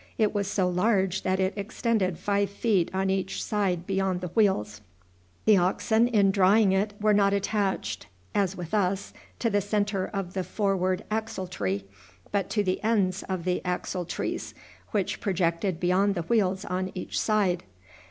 It was so large that it extended five feet on each side beyond the wheels. The oxen, in drawing it, were not attached, as with us, to the centre of the forward axle tree, but to the ends of the axle trees, which projected beyond the wheels on each side.